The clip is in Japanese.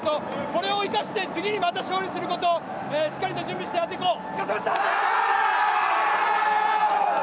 これを生かしてまだ次に勝利することしっかり準備してやっていこう。